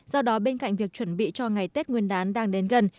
do đó bên cạnh việc chuẩn bị cho ngày tết nguyên đán đang đến gần